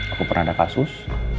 aku pernah ada kasus